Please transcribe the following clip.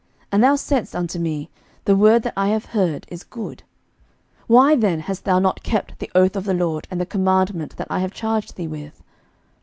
and thou saidst unto me, The word that I have heard is good. 11:002:043 Why then hast thou not kept the oath of the LORD, and the commandment that I have charged thee with?